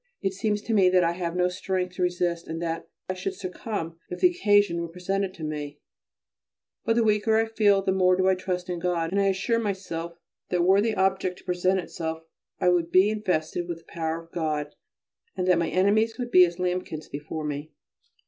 It seems to me that I have no strength to resist and that I should succumb if the occasion were presented to me, but the weaker I feel the more do I trust in God, and I assure myself that were the object to present itself, I should be invested with the power of God, and that my enemies would be as lambkins before me."